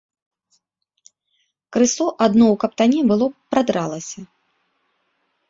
Крысо адно ў каптане было прадралася.